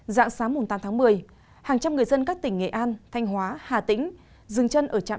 dạng sáng tám tháng một mươi hàng trăm người dân các tỉnh nghệ an thanh hóa hà tĩnh dừng chân ở trạm